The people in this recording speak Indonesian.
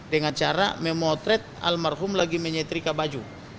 dengan cara memotret almarhum lagi menyetrika baju